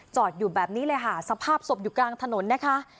อยู่แบบนี้เลยค่ะสภาพศพอยู่กลางถนนนะคะ